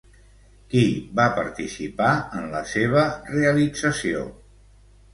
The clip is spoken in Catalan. Qui va participar en la seva realització?